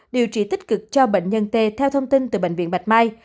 điều trị tích cực cho bệnh nhân t theo thông tin từ bệnh viện bạch mai